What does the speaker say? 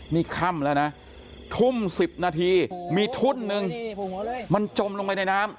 นี่ค่ำแล้วนะทุ่ม๑๐นาทีมีทุ่นนึงมันจมลงไปในน้ำ